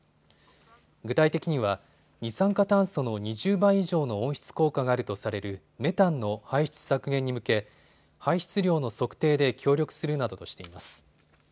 具体的には二酸化炭素の２０倍以上の温室効果があるとされるメタンの排出削減に向け排出量の測定で協力するなどとしています。